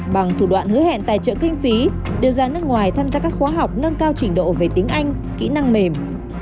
bằng thủ đoạn hứa hẹn tài trợ kinh phí đưa ra nước ngoài tham gia các khóa học nâng cao trình độ về tiếng anh kỹ năng mềm